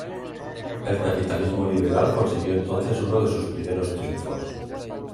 El capitalismo liberal consiguió entonces uno de sus primeros triunfos.